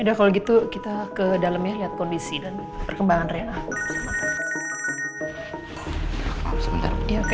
ya udah kalau gitu kita ke dalemnya lihat kondisi dan perkembangan rea